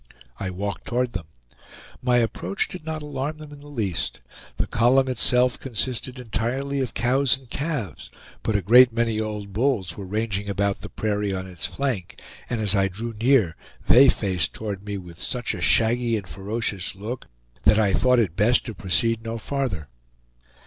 I walked toward them. My approach did not alarm them in the least. The column itself consisted entirely of cows and calves, but a great many old bulls were ranging about the prairie on its flank, and as I drew near they faced toward me with such a shaggy and ferocious look that I thought it best to proceed no farther.